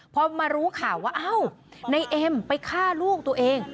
พอมารู้ข่าวว่าเอ้าในเอ็มไปฆ่าลูกตัวเอง